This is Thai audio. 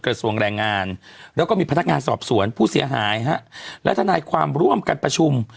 กระทรวงแรงงานแล้วก็มีพนักงานสอบสวนผู้เสียหายฮะและทนายความร่วมกันประชุม